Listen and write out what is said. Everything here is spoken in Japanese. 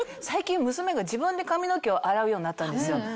最近娘が自分で髪の毛を洗うようになったんですよ。